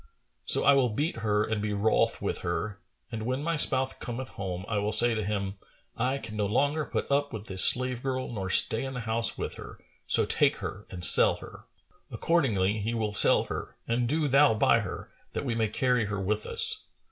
So I will beat her and be wroth with her and when my spouse cometh home, I will say to him, 'I can no longer put up with this slave girl nor stay in the house with her; so take her and sell her.' Accordingly he will sell her and do thou buy her, that we may carry her with us."